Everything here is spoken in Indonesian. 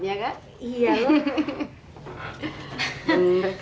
biar gak iya loh